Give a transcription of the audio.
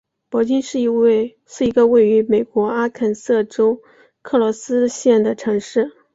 帕金是一个位于美国阿肯色州克罗斯县的城市。